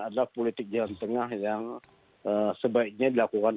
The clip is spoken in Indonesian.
adalah politik jalan tengah yang sebaiknya dilakukan